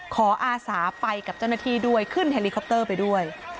อาสาไปกับเจ้าหน้าที่ด้วยขึ้นเฮลิคอปเตอร์ไปด้วย